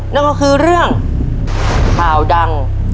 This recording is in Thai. นั่นก็คือเรื่องข่าวดัง